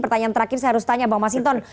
pertanyaan terakhir saya harus tanya bang masinton